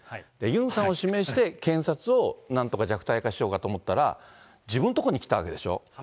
ユンさんを指名して、検察をなんとか弱体化しようと思ったら、自分のとこに来たわけでしょ。